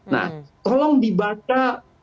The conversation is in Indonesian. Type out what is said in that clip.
nah tolong dibaca